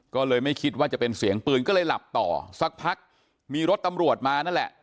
ก็เลยไม่คิดว่าจะเป็นเสียงปืนก็เลยหลับต่อสักพักมีรถตำรวจมานั่นแหละ